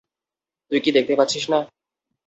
তুই কি দেখতে পাচ্ছিস না?